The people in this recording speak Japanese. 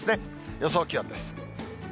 予想気温です。